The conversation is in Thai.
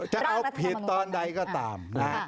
จะเอาผิดตอนไหนก็ตาม